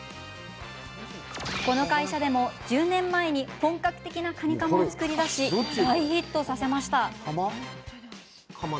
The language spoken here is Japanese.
この会社でも、１０年前に本格的なカニカマを作り出し大ヒットさせました。